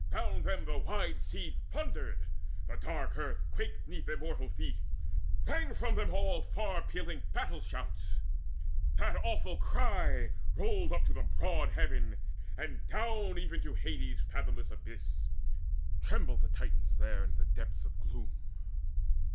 Round them the wide sea thundered, the dark earth Quaked 'neath immortal feet. Rang from them all Far pealing battle shouts; that awful cry Rolled up to the broad arching heaven, and down Even to Hades' fathomless abyss: Trembled the Titans there in depths of gloom.